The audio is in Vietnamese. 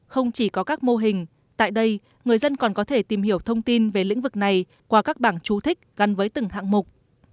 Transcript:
không chỉ có các mô hình tại đây người dân còn có thể tìm hiểu thông tin về lĩnh vực này qua các bảng chú thích gắn với từng hạng mục